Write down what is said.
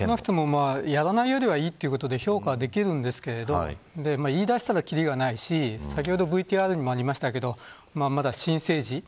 やらないよりはいいということで評価できますが言い出したらきりがないし先ほどＶＴＲにもありましたが新生児。